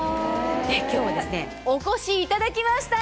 今日はお越しいただきました。